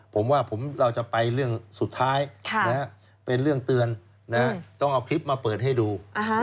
ผมว่าเราจะไปเรื่องสุดท้ายเป็นเรื่องเตือนต้องเอาคลิปมาเปิดให้ดู